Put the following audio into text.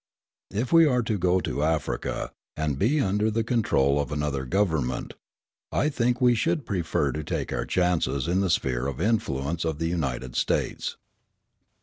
If we are to go to Africa, and be under the control of another government, I think we should prefer to take our chances in the "sphere of influence" of the United States.